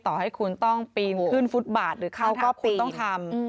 ต่อให้คุณต้องปีนขึ้นฟุตบาทหรือเข้าก็คุณต้องทำ